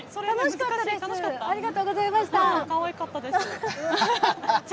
かわいかったです。